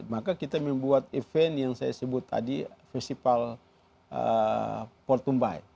maka kita membuat event yang saya sebut tadi festival portumbai